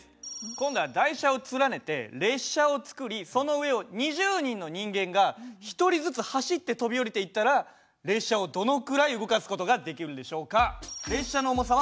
今度は台車を連ねて列車を作りその上を２０人の人間が１人ずつ走って跳び降りていったら列車をどのくらい動かす事ができるでしょうか？